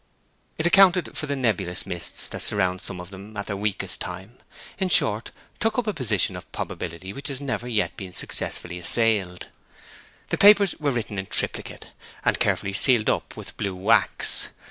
It accounted for the nebulous mist that surrounds some of them at their weakest time; in short, took up a position of probability which has never yet been successfully assailed. The papers were written in triplicate, and carefully sealed up with blue wax.